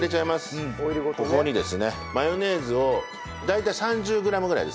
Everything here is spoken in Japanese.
ここにですねマヨネーズを大体３０グラムぐらいですね。